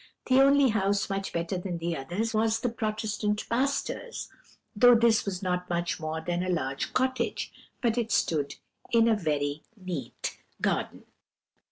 The only house much better than the others was the Protestant pastor's, though this was not much more than a large cottage, but it stood in a very neat garden.